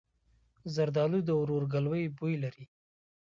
زردالو د ورورګلوۍ بوی لري.